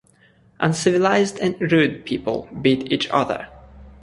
Uncivilized and rude people beat each other.